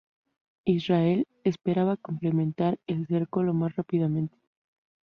Israel esperaba completar el cerco lo más rápidamente posible.